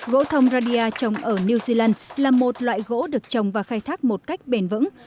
gỗ thông radia trồng ở new zealand là một loại gỗ được trồng và khai thác một cách bền vững